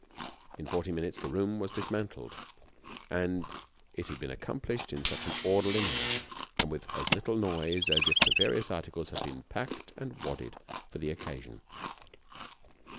In forty minutes the room was dismantled; and it had been accomplished in such an orderly manner and with as little noise as if the various articles had been packed and wadded for the occasion.